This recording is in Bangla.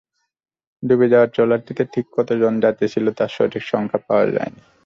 ডুবে যাওয়া ট্রলারটিতে ঠিক কতজন যাত্রী ছিল, তার সঠিক সংখ্যা পাওয়া যায়নি।